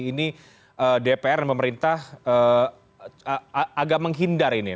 ini dpr dan pemerintah agak menghindar ini